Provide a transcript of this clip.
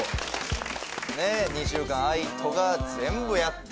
２週間ＡＩＴＯが全部やって。